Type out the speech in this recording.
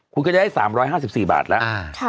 คุณก็จะได้๓๕๔บาทแล้ว